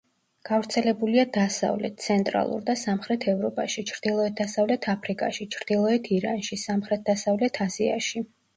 გავრცელებულია დასავლეთ, ცენტრალურ და სამხრეთ ევროპაში, ჩრდილოეთ-დასავლეთ აფრიკაში, ჩრდილოეთ ირანში, სამხრეთ-დასავლეთ აზიაში.